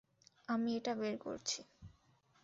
আমি এটা বের করছি।